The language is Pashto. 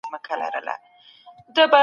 تضاد او اختلاف هم خپل عوامل لري.